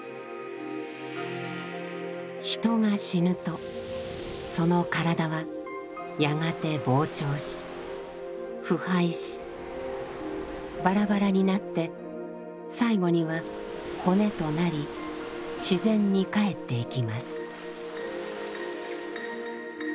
人が死ぬとその身体はやがて膨張し腐敗しバラバラになって最後には骨となり自然に返っていきます。